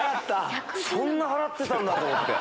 そんな払ってたんだと思って。